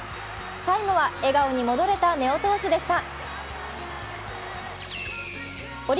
最後は笑顔に戻れた根尾投手でした。